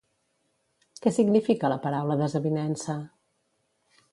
Què significa la paraula desavinença?